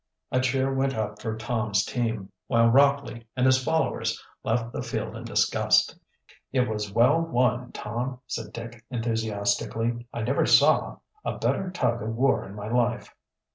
A cheer went up for Tom's team, while Rockley and his followers left the field in disgust. "It was well won, Tom!" said Dick enthusiastically. "I never saw a better tug of war in my life."